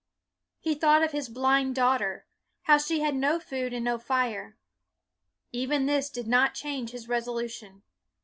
He thought of his blind daughter, how she had no food and no fire. Even this did not change his resolu tion.